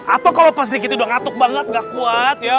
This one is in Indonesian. apa kalau pak sri kiti udah ngatuk banget gak kuat ya